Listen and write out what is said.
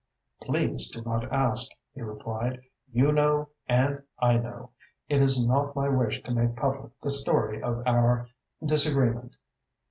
"Please do not ask," he replied. "You know and I know. It is not my wish to make public the story of our disagreement."